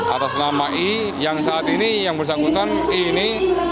atas nama i yang saat ini yang bersangkutan i ini